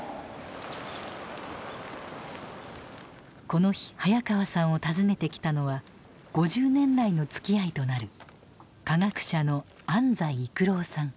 この日早川さんを訪ねてきたのは５０年来のつきあいとなる科学者の安斎育郎さん。